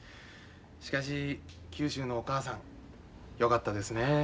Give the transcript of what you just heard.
しかし九州のお母さんよかったですね。